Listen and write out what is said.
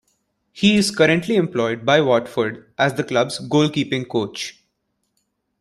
He is currently employed by Watford as the club's goalkeeping coach.